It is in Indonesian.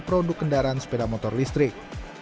produk kendaraan sepeda motor listrik